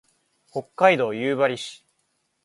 北海道夕張市